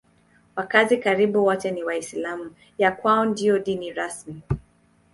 Wakazi karibu wote ni Waislamu; ya kwao ndiyo dini rasmi.